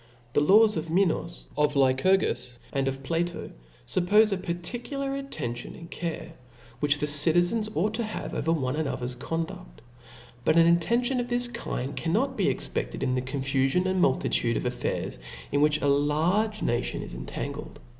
The laws of Minos, of LycVirgus, and of Pla* ' CO, fuppofe a particular attention and care, which the citizens ought to have over otie another's xon duft. But an attention of this kind cannot be ex pe6ted in the confufion, and multitude of affairs in which a larg? nation is incangled.